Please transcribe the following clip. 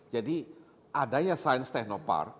jadi adanya science technopark